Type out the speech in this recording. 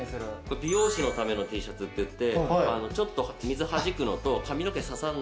美容師のためのＴシャツっていってちょっと水はじくのと髪の毛刺さん